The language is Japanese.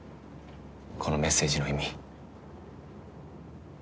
このメッセージの意味。